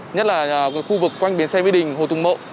nhất là khu vực quanh biến xe vĩ đình hồ thùng mộ